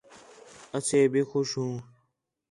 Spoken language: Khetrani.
اَسے بھی خوش ہوں